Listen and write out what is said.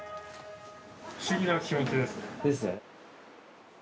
不思議な気持ちですね。ですね。